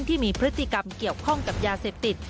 ที่มีพฤติกรรมเกี่ยวข้องกับยาเสพติด